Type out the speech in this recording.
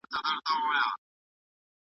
دا پروسه د بيو په ټيټوالي کي مرسته کوي.